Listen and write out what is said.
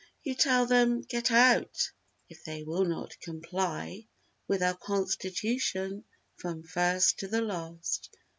You tell them "Get out!"—if they will not comply With our Constitution from first to the last.